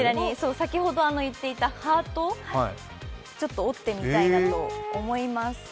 先ほど言っていたハートをちょっと折ってみたいなと思います。